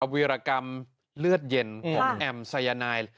วีรกรรมเลือดเย็นของแอมสายนาย